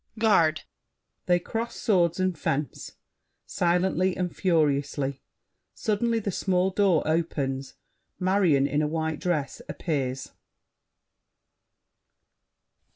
Garde! [They cross swords and fence, silently and furiously. Suddenly the small door opens, Marion in a white dress appears.